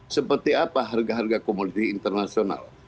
seperti apa harga harga komoditi internasional